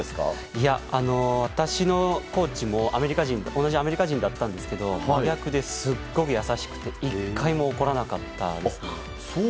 いや、私のコーチも同じアメリカ人だったんですけど真逆で、すごく優しくて１回も怒らなかったですね。